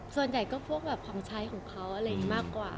คนใหญ่พวกผ่องใช้ของเขามากกว่า